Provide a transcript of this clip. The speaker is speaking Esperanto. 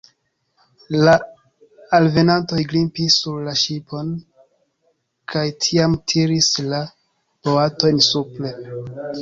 La alvenantoj grimpis sur la ŝipon kaj tiam tiris la boatojn supren.